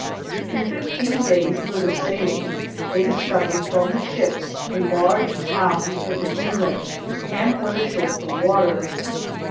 In fifteen days' farther sailing, they discovered from the ships a large town, with an inlet, and went ashore for water.